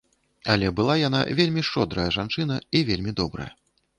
Але была яна вельмі шчодрая жанчына і вельмі добрая.